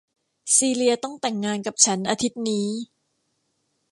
ซีเลียต้องแต่งงานกับฉันอาทิตย์นี้